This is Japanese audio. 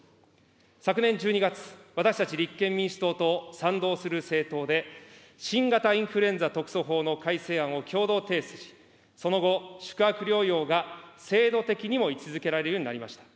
昨年１２月、私たち立憲民主党と賛同する政党で、新型インフルエンザ特措法の改正案を共同提出し、その後、宿泊療養が制度的にも位置づけられるようになりました。